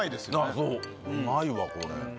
そううまいわこれ。